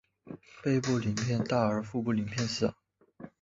背部鳞片大而腹部鳞片小。